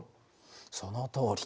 そのとおり。